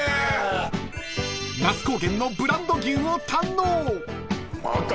［那須高原のブランド牛を堪能］